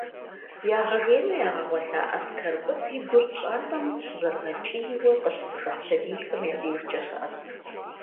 Ягъэжеину ягъэгъуэлъа Аскэр цӏыкӏу и гур пщантӏэм щызэрыгъэкӏийуэ къыщызыжыхь сэбийхэм я дежкӏэ щыӏэт.